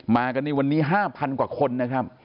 มากันในวันนี้๕๐๐กว่าคนนะครับ